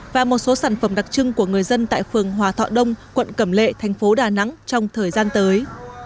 và một số sản phẩm đặc trưng của người dân tại phường hòa thọ đông quận cẩm lệ thành phố đà nẵng trong thời gian tới